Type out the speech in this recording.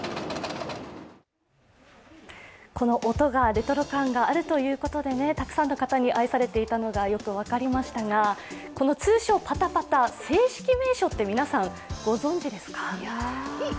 この音がレトロ感があるということでたくさんの方に愛されていたのがよく分かりましたが、正式名称ってご存じですか？